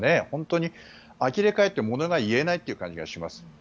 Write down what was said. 本当にあきれ返って物が言えないという感じがします。